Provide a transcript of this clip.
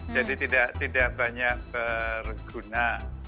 jadi tidak banyak berguna